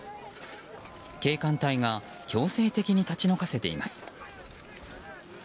警官隊が強制的に立ち退かせています。